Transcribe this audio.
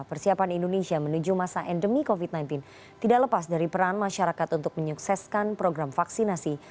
persiapan indonesia menuju masa endemi covid sembilan belas tidak lepas dari peran masyarakat untuk menyukseskan program vaksinasi